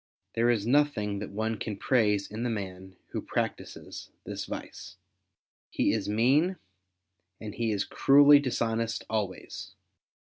There is nothing that one can praise in the man who practises this vice. He is mean, and he is cruelly dishonest always.